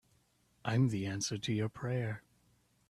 I'm the answer to your prayer.